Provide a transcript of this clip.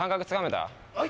はい！